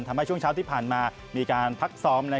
ช่วงเช้าที่ผ่านมามีการพักซ้อม